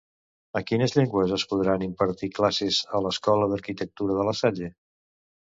En quines llengües es podran impartir classes a l'Escola d'Arquitectura de La Salle?